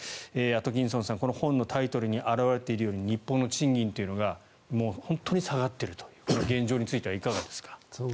アトキンソンさん本のタイトルに表れているように日本の賃金というのが本当に下がっているとこの現状についてはいかがですか。